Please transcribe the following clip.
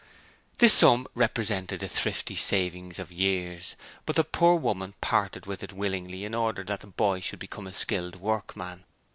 This sum represented the thrifty savings of years, but the poor woman parted with it willingly in order that the boy should become a skilled workman.